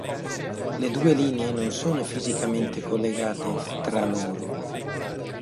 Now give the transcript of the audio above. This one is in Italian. Le due linee non sono fisicamente collegate tra loro.